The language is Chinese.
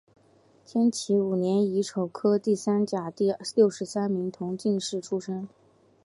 天启五年乙丑科第三甲第六十三名同进士出身。